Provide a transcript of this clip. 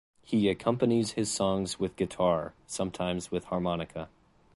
He accompanies his songs with guitar, sometimes with harmonica.